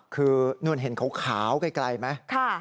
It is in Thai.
คือนึงเห็นเขาขาวไกลไหมค่ะ